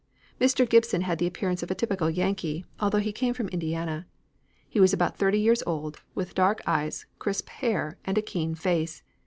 Mr. Gibson had the appearance of a typical Yankee, though he came from Indiana. He was about thirty years old, with dark eyes, crisp hair, and a keen face.